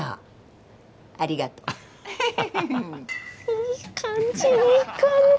いい感じいい感じ。